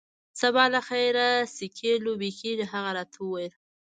سبا له خیره سکی لوبې کیږي. هغه راته وویل.